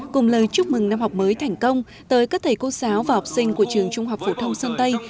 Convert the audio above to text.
cùng lời chúc mừng năm học mới thành công tới các thầy cô giáo và học sinh của trường trung học phổ thông sơn tây